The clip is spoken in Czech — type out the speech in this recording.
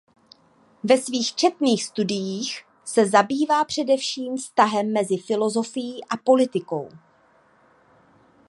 Ve svých četných studiích se zabývá především vztahem mezi filosofií a politikou.